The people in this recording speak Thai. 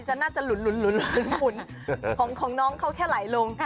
ฉันน่าจะหลุนของน้องเขาแค่ไหลลง